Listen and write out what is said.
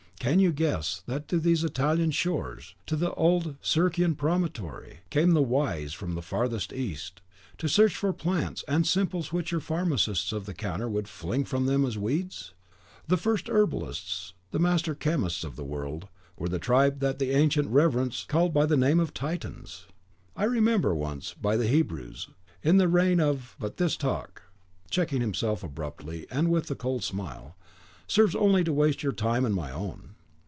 Can you guess that to these Italian shores, to the old Circaean Promontory, came the Wise from the farthest East, to search for plants and simples which your Pharmacists of the Counter would fling from them as weeds? The first herbalists the master chemists of the world were the tribe that the ancient reverence called by the name of Titans. (Syncellus, page 14. "Chemistry the Invention of the Giants.") I remember once, by the Hebrus, in the reign of But this talk," said Zanoni, checking himself abruptly, and with a cold smile, "serves only to waste your time and my own."